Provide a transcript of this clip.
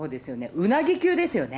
うなぎ級ですよね。